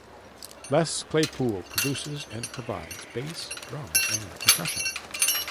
Les Claypool produces and provides bass, drums and percussion.